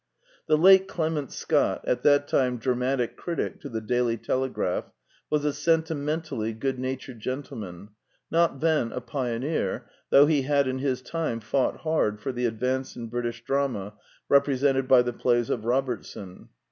The late Clement Scott, at that time dramatic critic to The Daily Telegraph, was a sentimen tally good natured gentleman, not then a pioneer, though he had in his time fought hard for the advance in British drama represented by the plays of Robertson.